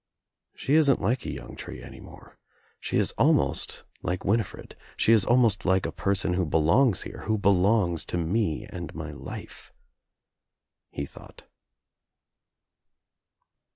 "She isn't like a young tree any more. She is almost like Winifred. She is almost like a person who belongs here, who belongs to me and my life," be thought.